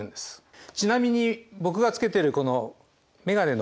ちなみに僕がつけてるこの眼鏡の。